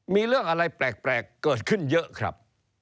มีเรื่องอะไรแปลกเกิดขึ้นเยอะครับ